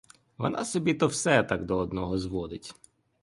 Вона собі то все так до одного зводить.